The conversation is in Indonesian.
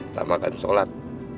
pertama kan sholat